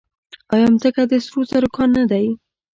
آیا ځمکه د سرو زرو کان نه دی؟